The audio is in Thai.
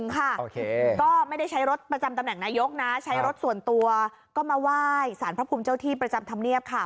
ค่ะก็ไม่ได้ใช้รถประจำตำแหน่งนายกนะใช้รถส่วนตัวก็มาไหว้สารพระภูมิเจ้าที่ประจำธรรมเนียบค่ะ